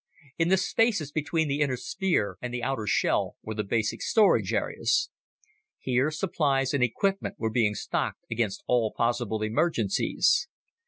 In the spaces between the inner sphere and the outer shell were the basic storage areas. Here supplies and equipment were being stocked against all possible emergencies.